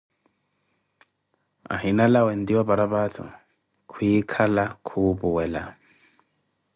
Ahina lawee nti wa paraphato, kwikala khuupuwela